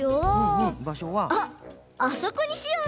あっあそこにしよう！